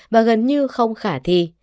và gần như không khả thi